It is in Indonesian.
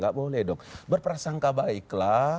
gak boleh dong berprasangka baiklah